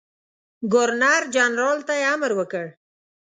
ګورنرجنرال ته یې امر وکړ.